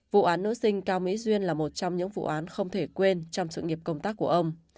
vụ án nữ sinh cao mỹ duyên là một trong những vụ án không thể quên trong sự nghiệp công tác của ông